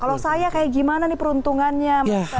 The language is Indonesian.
kalau saya kayak gimana nih peruntungannya